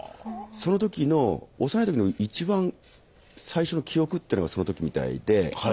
その時の幼い時の一番最初の記憶っていうのがその時みたいで。